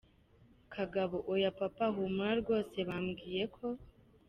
Kagabo: oya papa! Humura rwose bambwiye ko.